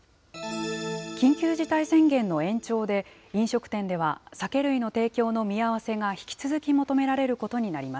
緊急事態宣言の延長で、飲食店では酒類の提供の見合わせが引き続き、求められることにな